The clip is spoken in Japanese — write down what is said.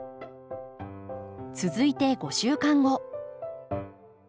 続いて５週間後。